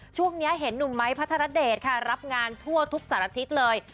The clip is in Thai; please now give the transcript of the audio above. ช่วงนี้เห็นหนุ่มไม้พัทรเดชค่ะรับงานทั่วทุกสารทิศเลย